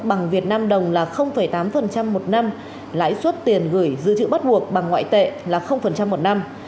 bằng việt nam đồng là tám một năm lãi suất tiền gửi dự trữ bắt buộc bằng ngoại tệ là một năm